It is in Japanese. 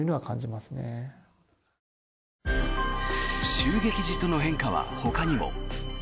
襲撃時との変化はほかにも。